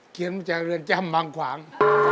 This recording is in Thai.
มาจากเรือนจำบางขวาง